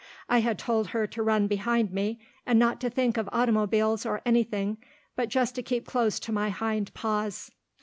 I had told her to run behind me, and not to think of automobiles or anything, but just to keep close to my hind paws.